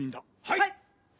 はい！